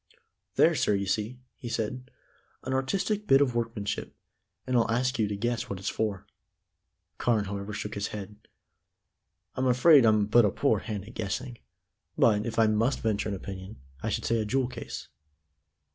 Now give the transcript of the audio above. "There, sir, you see," he said, "an artistic bit of workmanship, and I'll ask you to guess what it's for." Carne, however, shook his head. "I'm afraid I'm but a poor hand at guessing, but, if I must venture an opinion, I should say a jewel case."